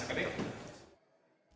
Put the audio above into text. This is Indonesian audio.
jadi ya tergerak